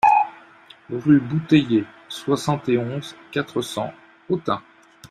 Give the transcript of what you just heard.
Rue Bouteiller, soixante et onze, quatre cents Autun